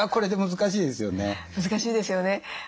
難しいですよね。